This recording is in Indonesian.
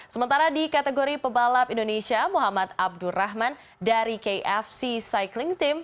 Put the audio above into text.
sementara di kategori pebalap indonesia muhammad abdurrahman dari kfc cycling team